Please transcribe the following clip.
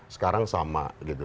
sekarang sama gitu